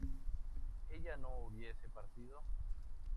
¿ella no hubiese partido?